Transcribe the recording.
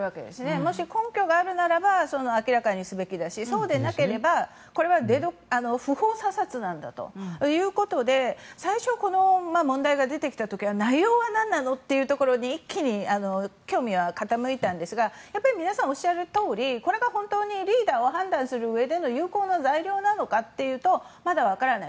もし根拠があるなら明らかにすべきだしそうでなければ不法査察なんだということで最初この問題が出てきた時は内容は何なのというのに興味は傾いたんですが皆さんおっしゃるとおりこれが本当にリーダーを判断するうえで有効な材料かというとまだ分からない。